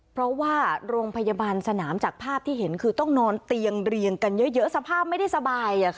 เพราะว่าโรงพยาบาลสนามจากภาพที่เห็นคือต้องนอนเตียงเรียงกันเยอะสภาพไม่ได้สบาย